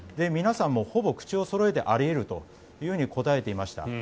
皆さんもほぼ口をそろえてあり得ると答えていました。